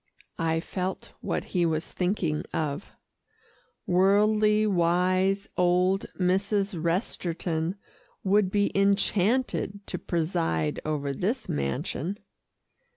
I felt what he was thinking of. Worldly wise old Mrs. Resterton would be enchanted to preside over this mansion.